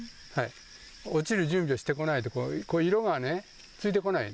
落ちる準備をしてこない、色がね、付いてこない。